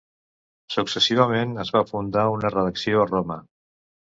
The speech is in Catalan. Successivament es va fundar una redacció a Roma.